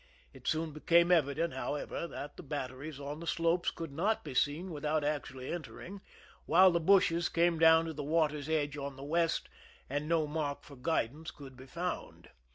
It soon became evident, how ever, that the batteries on the slopes could not be seen without actually entering, while the bushes came down to the water's edge on the west, and no mark for guidance could be found.